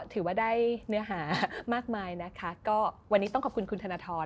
ถือว่าได้เนื้อหามากมายนะคะก็วันนี้ต้องขอบคุณคุณธนทร